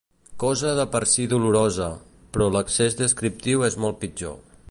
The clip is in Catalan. Cosa de per si dolorosa, però l'excés descriptiu és molt pitjor.